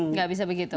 tidak bisa begitu